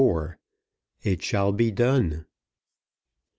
"IT SHALL BE DONE."